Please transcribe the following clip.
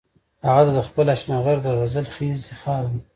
هغه ته د خپل اشنغر د غزل خيزې خاورې